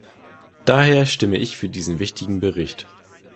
Daher stimme ich für diesen wichtigen Bericht.